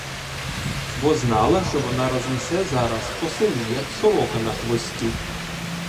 Бо знала, що вона рознесе зараз по селі, як сорока на хвості.